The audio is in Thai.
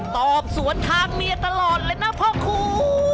สอบสวนทางเมียตลอดเลยนะพ่อครู